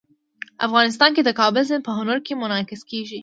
افغانستان کې د کابل سیند په هنر کې منعکس کېږي.